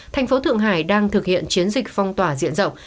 thành phố thượng hải đang thực hiện chiến dịch phong tỏa diện rộng